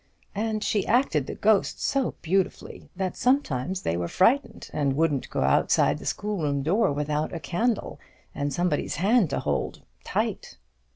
And she acted the Ghost so beautifully, that sometimes they were frightened, and wouldn't go outside the schoolroom door without a candle, and somebody's hand to hold tight.